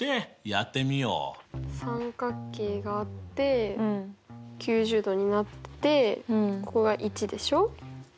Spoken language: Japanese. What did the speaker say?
三角形があって９０°になってここが１でしょ。